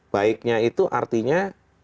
baiknya itu artinya